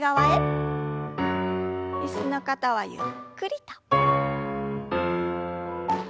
椅子の方はゆっくりと。